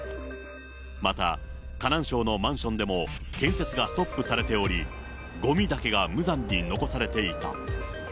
また河南省のマンションでも建設がストップされており、ごみだけが無残に残されていた。